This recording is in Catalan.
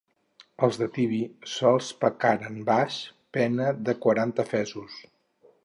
Els de Tibi sols pecaren baix pena de quaranta fesos.